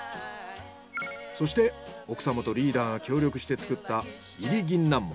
そして奥様とリーダーが協力して作った炒り銀杏も。